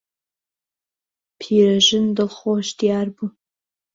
پیرەژن دڵخۆش دیار بوو.